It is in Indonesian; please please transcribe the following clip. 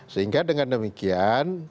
sehingga dengan demikian